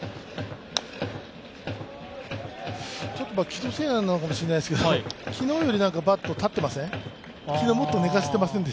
気のせいなのかもしれないですけど、昨日よりバット、立ってません？